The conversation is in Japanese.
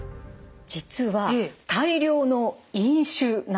実は「大量の飲酒」なんです。